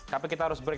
tapi kita harus break